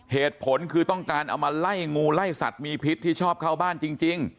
เหตุผลคือต้องการเอามาไล่งูไล่สัตว์มีพิษที่ชอบเข้าบ้านจริง